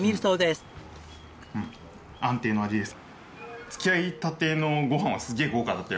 うん安定の味です。